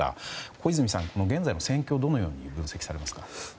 小泉さん、現在の戦況をどのように分析されますか？